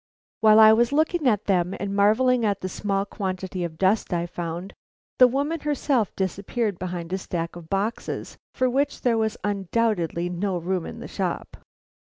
While I was looking at them and marvelling at the small quantity of dust I found, the woman herself disappeared behind a stack of boxes, for which there was undoubtedly no room in the shop.